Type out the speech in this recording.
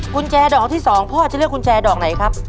กุญแจดอกที่๒พ่อจะเลือกกุญแจดอกไหนครับ